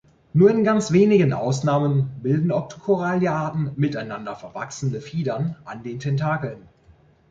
Nur in ganz wenigen Ausnahmen bilden Octocorallia-Arten miteinander verwachsene Fiedern an den Tentakeln.